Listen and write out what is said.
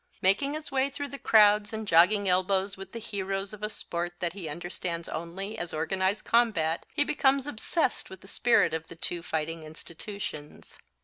Making his way through the crowds and jogging elbows with the heroes of a sport that he understands only as organized combat he becomes obsessed with the spirit of the two fighting institutions.